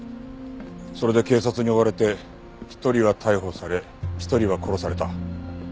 それで警察に追われて一人は逮捕され一人は殺された。